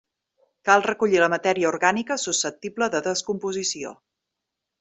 Cal recollir la matèria orgànica susceptible de descomposició.